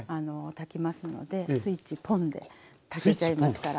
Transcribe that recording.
炊きますのでスイッチポンで炊きますから。